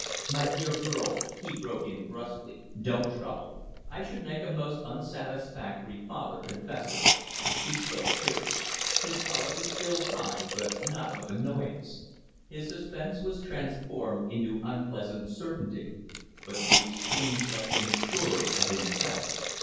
"My dear girl," he broke in, brusquely, "don't trouble! I should make a most unsatisfactory father confessor." He spoke quickly. His color was still high, but not of annoyance. His suspense was transformed into unpleasant certainty; but the exchange left him surer of himself.